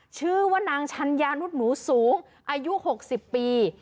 ชื่อว่านางชัญญานุษย์หนูสูงอายุ๖๐ปี